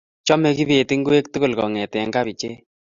Chame kibet ingwek tugul kongete kabichek